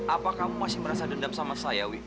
apa kamu masih merasa dendam sama saya wi